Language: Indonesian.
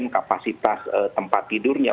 kapasitas tempat tidurnya